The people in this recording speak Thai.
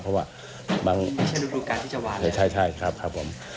เพราะว่าใช่ใช่ครับครับผม